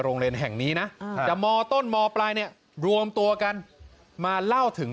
โรงเรียนแห่งนี้นะแต่มต้นมปลายเนี่ยรวมตัวกันมาเล่าถึง